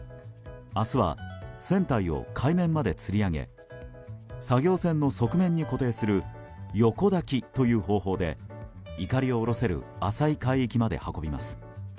明日は、船体を海面までつり上げ作業船の側面に固定する横抱きという方法でいかりを下ろせる浅い海域まで運びます。